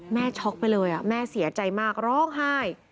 ช็อกไปเลยแม่เสียใจมากร้องไห้